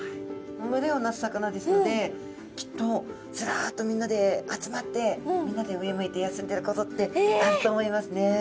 群れを成す魚ですのできっとズラッとみんなで集まってみんなで上向いて休んでることってあると思いますね。